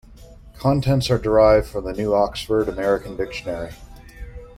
Contents are derived from New Oxford American Dictionary.